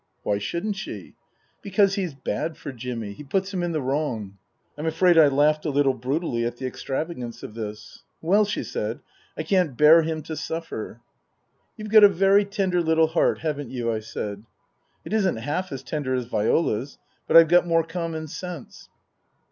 " Why shouldn't she ?"" Because he's bad for Jimmy. He puts him in the wrong." I'm afraid I laughed a little brutally at the extravagance of this. " Well," she said. " I can't bear him to suffer." " You've got a very tender little heart, haven't you ?" I said. " It isn't half as tender as Viola's. But I've got more common sense."